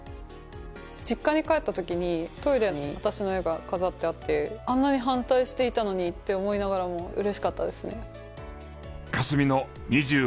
実家に帰った時にトイレに私の絵が飾ってあってあんなに反対していたのにって思いながらも嬉しかったですね。